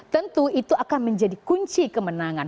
tentu itu akan menjadi kunci kemenangan